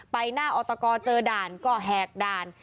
ไปหน้าออตกเจอด่านก็แหกด่าน